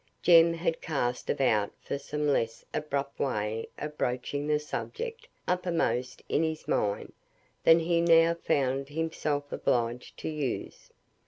Jem had cast about for some less abrupt way of broaching the subject uppermost in his mind than he now found himself obliged to use.